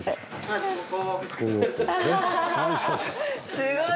すごい。